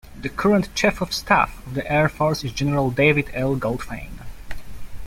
The current Chief of Staff of the Air Force is General David L. Goldfein.